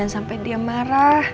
jangan sampe dia marah